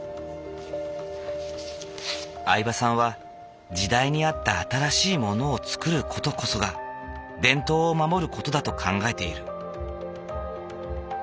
饗庭さんは時代に合った新しいものを作る事こそが伝統を守る事だと考えている。